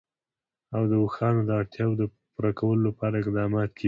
د اوښانو د اړتیاوو پوره کولو لپاره اقدامات کېږي.